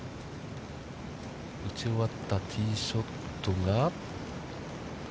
打ち終わったティーショットが。